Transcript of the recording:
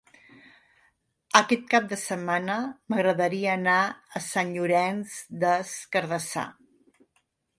Aquest cap de setmana m'agradaria anar a Sant Llorenç des Cardassar.